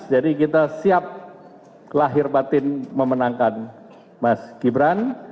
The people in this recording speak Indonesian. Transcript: jadi kita siap lahir batin memenangkan mas gibran